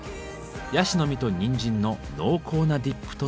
ヤシの実とにんじんの濃厚なディップとともに。